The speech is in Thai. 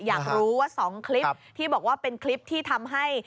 อยากรู้ว่า๒คลิปที่บอกว่าเป็นคลิปที่ทำให้